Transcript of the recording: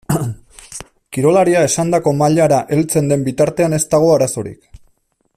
Kirolaria esandako mailara heltzen den bitartean ez dago arazorik.